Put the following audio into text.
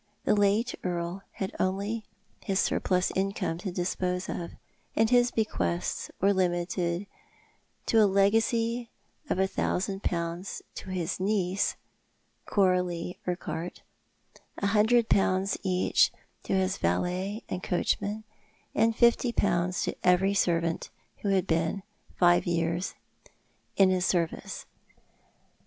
Tho late earl had only his surplus income to dispose of, and his bequests were limited to a legacy of a thousand pounds to his niece, Coralie Urquhart, a hundred pounds each to his valet and coachman, and fifty pounds to every scrvaat who had bceu live years iu 3o8 Thott, art tJie Man. his service.